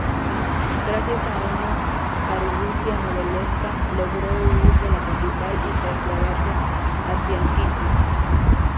Gracias a una argucia novelesca logró huir de la capital y trasladarse a Tianjin.